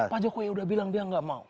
pak jokowi udah bilang dia nggak mau